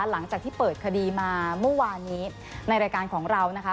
หลังจากที่เปิดคดีมาเมื่อวานนี้ในรายการของเรานะคะ